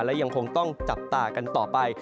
และยังคงต้องจับตากันต่อไป